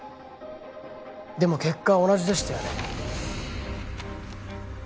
でも結果は同じでしたよね？